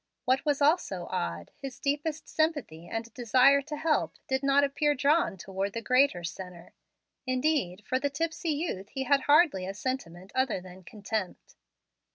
What was also odd, his deepest sympathy and desire to help did not appear drawn toward the greater sinner. Indeed, for the tipsy youth he had hardly a sentiment other than contempt.